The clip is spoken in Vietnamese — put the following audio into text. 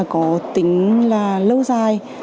có tính lâu dài